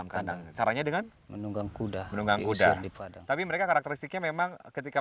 karena memiliki postur lebih tinggi